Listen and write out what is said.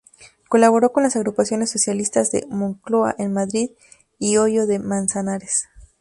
Colaboró con las agrupaciones socialistas de Moncloa, en Madrid, y Hoyo de Manzanares.